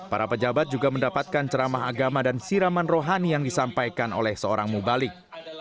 para pejabat juga mendapatkan ceramah agama dan siraman rohani yang disampaikan oleh seorang mubalik